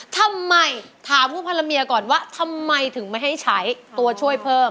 ทำไมถามผู้ภรรเมียก่อนว่าทำไมถึงไม่ให้ใช้ตัวช่วยเพิ่ม